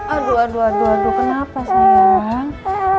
aduh aduh aduh aduh kenapa sayang